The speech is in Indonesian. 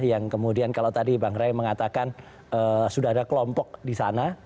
yang kemudian kalau tadi bang ray mengatakan sudah ada kelompok di sana